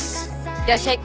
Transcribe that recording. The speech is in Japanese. いってらっしゃい。